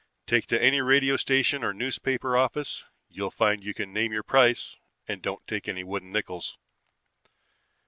Take it to any radio station or newspaper office. You'll find you can name your price and don't take any wooden nickels.